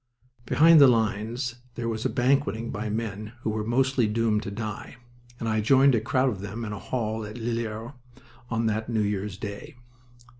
Behind the lines there was banqueting by men who were mostly doomed to die, and I joined a crowd of them in a hall at Lillers on that New Year's day.